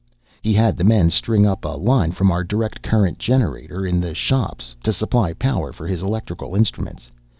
He had the men string up a line from our direct current generator in the shops, to supply power for his electrical instruments.